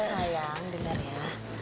sayang denger ya